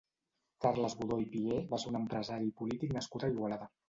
Carles Godó i Pié va ser un empresari i polític nascut a Igualada.